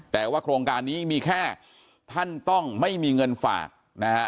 แต่ว่าโครงการนี้มีแค่ท่านต้องไม่มีเงินฝากนะฮะ